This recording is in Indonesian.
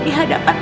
bowin kata putih